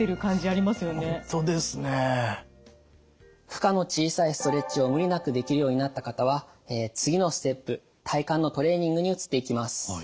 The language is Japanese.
負荷の小さいストレッチを無理なくできるようになった方は次のステップ体幹のトレーニングに移っていきます。